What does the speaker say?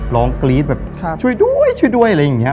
กรี๊ดแบบช่วยด้วยช่วยด้วยอะไรอย่างนี้